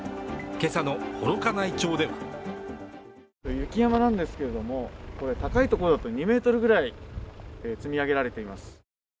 今朝の幌加内町では雪山なんですけれども高いところだと２ｍくらい積み上げられています。